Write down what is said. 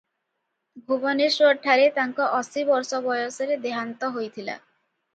ଭୁବନେଶ୍ୱରଠାରେ ତାଙ୍କର ଅଶୀ ବର୍ଷ ବୟସରେ ଦେହାନ୍ତ ହୋଇଥିଲା ।